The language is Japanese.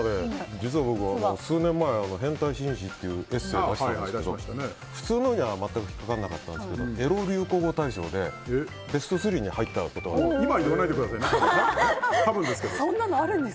実は僕、数年前「変態紳士」っていうエッセーを出してるんですけど普通のには全く引っかからなかったんですけどエロ流行語大賞でベスト３に入った言葉があるんです。